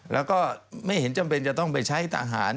และไม่เห็นจำเป็นจะต้องไปใช้ต่างหาญ